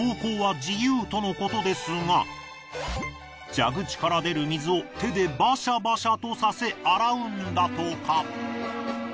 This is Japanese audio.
蛇口から出る水を手でバシャバシャとさせ洗うんだとか。